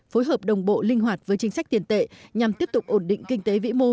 phối hợp đồng bộ linh hoạt với chính sách tiền tệ nhằm tiếp tục ổn định kinh tế vĩ mô